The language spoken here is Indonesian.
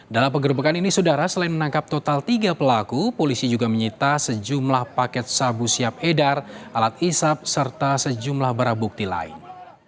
dalam penggerbekan ini saudara selain menangkap total tiga pelaku polisi juga menyita sejumlah paket sabu siap edar alat isap serta sejumlah barang bukti lain